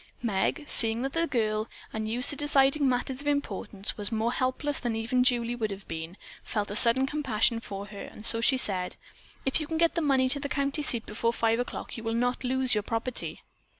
Meg, seeing that the girl, unused to deciding matters of importance, was more helpless than even Julie would have been, felt a sudden compassion for her and so she said: "If you can get the money to the county seat before five o'clock you will not lose your property."